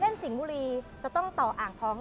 เล่นสิงห์มุรีจะต้องต่ออางท้อง